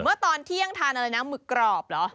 เมื่อตอนเที่ยงทานอะไรนะหมึกกรอบเหรอ